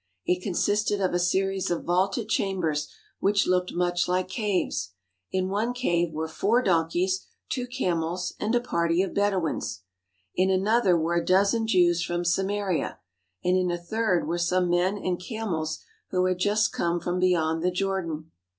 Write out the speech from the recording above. It consisted of a series of vaulted chambers which looked much like caves. In one cave were four donkeys, two camels, and a party of Bedouins. In another were a dozen Jews from Samaria, and in a third were some men and camels who had just come from beyond the Jordan.